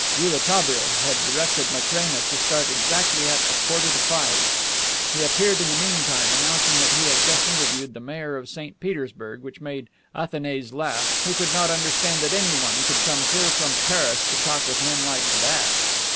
Rouletabille had directed Matrena to start exactly at a quarter to five. He appeared in the meantime, announcing that he had just interviewed the mayor of St. Petersburg, which made Athanase laugh, who could not understand that anyone would come clear from Paris to talk with men like that.